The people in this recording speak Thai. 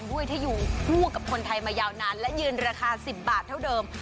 ง่วงกับคนไทยมายาวนานและยืนราคา๑๐บาทเท่าเดิม